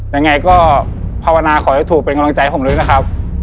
ยังไงก็ภาวนาขอให้ถูกเป็นกำลังใจผมด้วยนะครับ